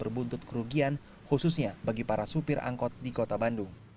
berbuntut kerugian khususnya bagi para supir angkot di kota bandung